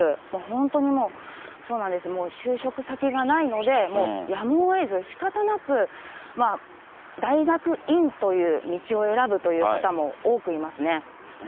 本当にもう、就職先がないのでやむをえず、しかたなく、大学院という道を選ぶという方も多くいますね。